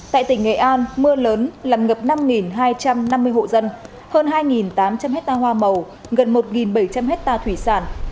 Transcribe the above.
tại tỉnh nghệ an mưa lớn làm ngập năm hai trăm năm mươi hộ dân hơn hai tám trăm linh hectare hoa màu gần một bảy trăm linh hectare thủy sản